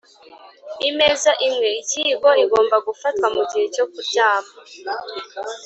"imeza imwe-ikiyiko igomba gufatwa mugihe cyo kuryama."